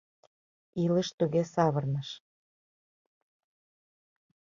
— Илыш туге савырныш.